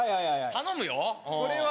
頼むよ。